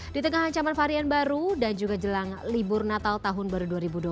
di tengah ancaman varian baru dan juga jelang libur natal tahun baru dua ribu dua puluh